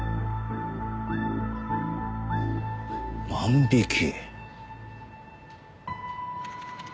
万引き。